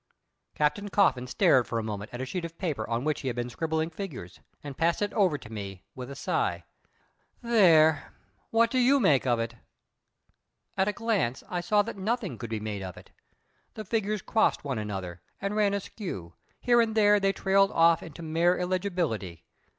Captain Coffin stared for a moment at a sheet of paper on which he had been scribbling figures, and passed it over to me, with a sigh. "There! What d'you make of it?" At a glance I saw that nothing could be made of it. The figures crossed one another, and ran askew; here and there they trailed off into mere illegibility.